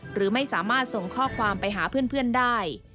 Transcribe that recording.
หรือไม่สามารถส่งข้อความไปหาเพื่อนได้